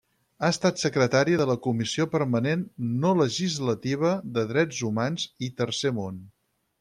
Ha estat secretària de la Comissió Permanent no legislativa de Drets Humans i Tercer Món.